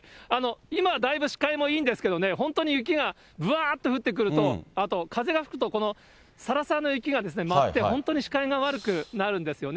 今、だいぶ視界もいいんですけれどもね、本当に雪がぶわーっと降ってくると、あと、風が吹くとこのさらさらの雪が舞って、本当に視界が悪くなるんですよね。